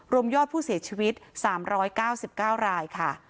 รวมยอดผู้เสียชีวิต๓๙๙รายค่ะ